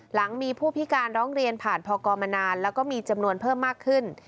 หลังมีผู้พิการร้องเรียนผ่านพกมานานแล้วก็มีจำนวนเพิ่มมากขึ้น